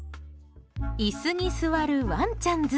椅子に座るワンちゃんズ。